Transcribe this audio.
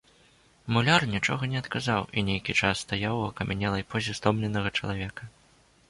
Муляр нічога не адказаў і нейкі час стаяў у акамянелай позе стомленага чалавека.